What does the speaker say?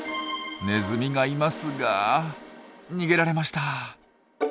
ネズミがいますが逃げられました。